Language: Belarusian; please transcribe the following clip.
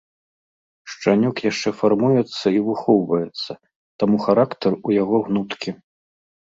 Шчанюк яшчэ фармуецца і выхоўваецца, таму характар у яго гнуткі.